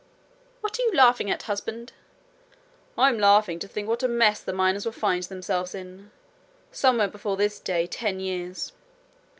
'What are you laughing at, husband?' 'I'm laughing to think what a mess the miners will find themselves in somewhere before this day ten years.'